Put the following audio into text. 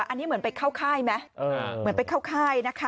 อันนี้เหมือนไปเข้าค่ายไหมเหมือนไปเข้าค่ายนะคะ